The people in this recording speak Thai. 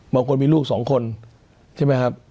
บางคนมีลูกสองคนใช่ไหมครับ